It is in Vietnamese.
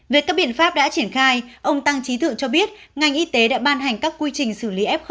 về các biện pháp đã triển khai ông tăng trí thượng cho biết ngành y tế đã ban hành các quy trình xử lý f một